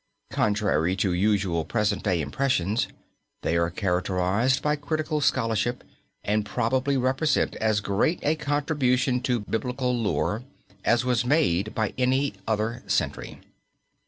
Contrary to usual present day impressions, they are characterized by critical scholarship, and probably represent as great a contribution to Biblical lore as was made by any other century.